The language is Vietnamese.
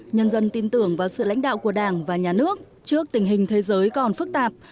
nhân dân tin tưởng vào sự lãnh đạo của đảng và nhà nước trước tình hình thế giới còn phức tạp